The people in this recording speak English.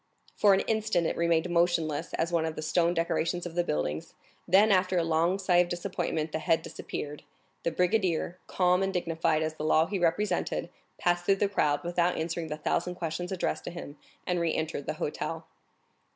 For an instant it remained motionless as one of the stone decorations of the building, then after a long sigh of disappointment the head disappeared. The brigadier, calm and dignified as the law he represented, passed through the crowd, without answering the thousand questions addressed to him, and re entered the hotel.